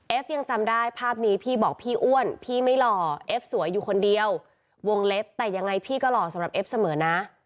ยังจำได้ภาพนี้พี่บอกพี่อ้วนพี่ไม่หล่อเอฟสวยอยู่คนเดียววงเล็บแต่ยังไงพี่ก็หล่อสำหรับเอฟเสมอนะ